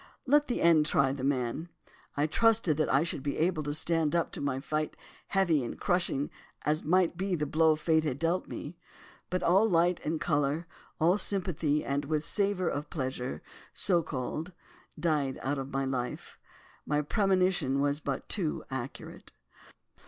Let the end try the man. I trusted that I should be able to stand up to my fight, heavy and crushing as might be the blow Fate had dealt me. But all light and colour, all sympathy with and savour of pleasure, so called, died out of my life. My premonition was but too accurate.